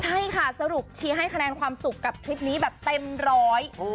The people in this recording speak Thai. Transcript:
ใช่ค่ะสรุปเชียร์ให้คะแนนความสุขกับทริปนี้แบบเต็มร้อย